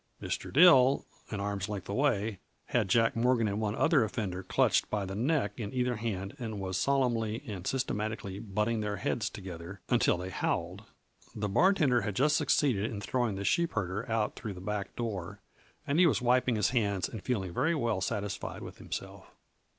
Mr. Dill, an arm's length away, had Jack Morgan and one other offender clutched by the neck in either hand and he was solemnly and systematically butting their heads together until they howled. The bartender had just succeeded in throwing the sheepherder out through the back door, and he was wiping his hands and feeling very well satisfied with himself.